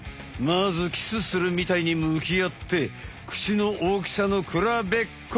まずキスするみたいにむきあって口の大きさのくらべっこ！